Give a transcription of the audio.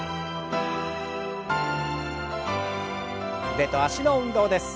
腕と脚の運動です。